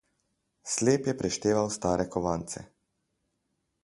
Slep je prešteval stare kovance.